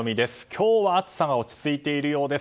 今日は暑さが落ち着いているようです。